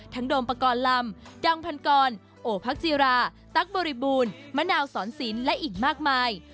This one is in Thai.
โดมปกรณ์ลำดังพันกรโอพักจีราตั๊กบริบูรณ์มะนาวสอนสินและอีกมากมาย